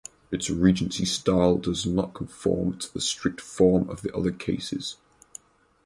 Its Regency style does not conform to the strict form of the other cases.